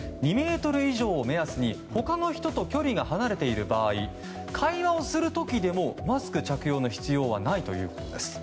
２ｍ以上を目安に他の人と距離が離れている場合会話をする時でも、マスク着用の必要はないということです。